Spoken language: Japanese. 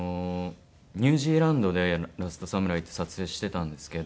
ニュージーランドで『ラストサムライ』って撮影してたんですけど。